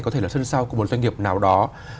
có thể là thân sao của một doanh nghiệp nào đó